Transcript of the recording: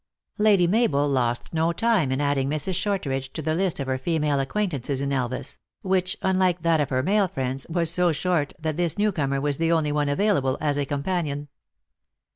Lady Mabel lost no time in adding Mrs. Shortridge to the list of her female acquaintances in Elvas, which, unlike that of her male friends was so short that this new comer was the only one available as a companion.